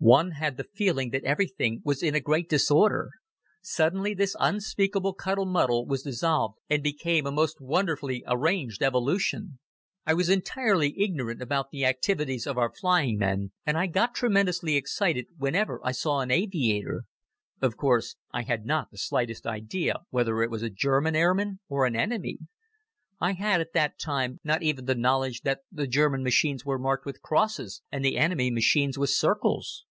One had the feeling that everything was in a great disorder. Suddenly, this unspeakable cuddle muddle was dissolved and became a most wonderfully arranged evolution. I was entirely ignorant about the activities of our flying men, and I got tremendously excited whenever I saw an aviator. Of course I had not the slightest idea whether it was a German airman, or an enemy. I had at that time not even the knowledge that the German machines were marked with crosses and the enemy machines with circles.